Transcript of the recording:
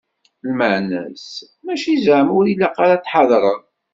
Lmeεna-s mačči zeεma ur ilaq ara ad tḥadreḍ.